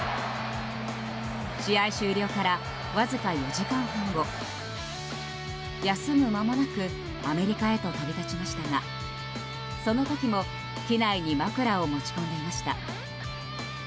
試合終了からわずか４時間半後休む間もなくアメリカへと飛び立ちましたがその時も機内に枕を持ち込んでいました。